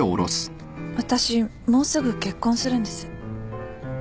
私もうすぐ結婚するんです。